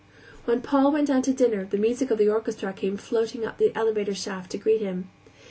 When Paul went down to dinner the music of the orchestra came floating up the elevator shaft to greet him.